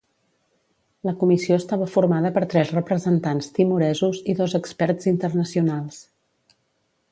La Comissió estava formada per tres representants timoresos i dos experts internacionals.